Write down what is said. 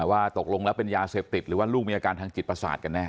ว่าตกลงแล้วเป็นยาเสพติดหรือว่าลูกมีอาการทางจิตประสาทกันแน่